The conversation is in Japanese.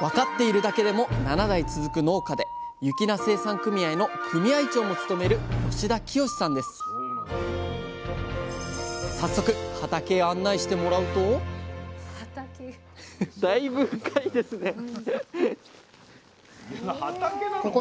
分かっているだけでも７代続く農家で雪菜生産組合の組合長も務めるさっそく畑へ案内してもらうと畑なの？